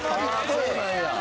ああそうなんや。